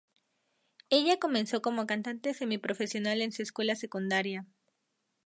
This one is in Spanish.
Ella comenzó como cantante semi-profesional en su escuela secundaria.